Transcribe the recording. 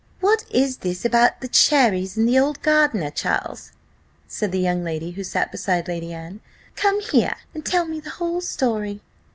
"What is this about the cherries and the old gardener, Charles?" said the young lady who sat beside Lady Anne: "come here and tell me the whole story."